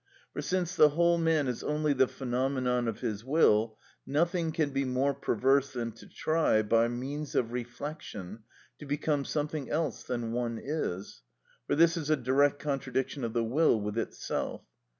For since the whole man is only the phenomenon of his will, nothing can be more perverse than to try, by means of reflection, to become something else than one is, for this is a direct contradiction of the will with itself.